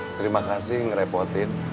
terima kasih ngerepotin